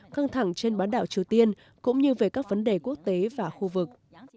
căng thẳng trên bán đảo triều tiên cũng như về các vấn đề quốc tế và khu vực